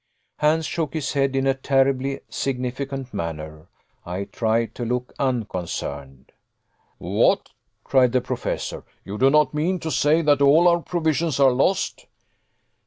Hans shook his head in a terribly significant manner. I tried to look unconcerned. "What!" cried the Professor, "you do not mean to say that all our provisions are lost?"